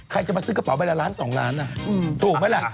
ใครจะมาซื้อกระเป๋าใบละล้าน๒ล้านถูกไหมล่ะ